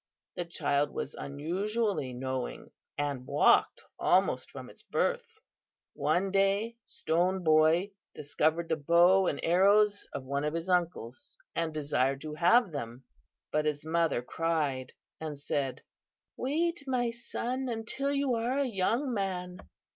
The child was unusually knowing, and walked almost from its birth. "One day Stone Boy discovered the bow and arrows of one of his uncles, and desired to have them; but his mother cried, and said: "'Wait, my son, until you are a young man.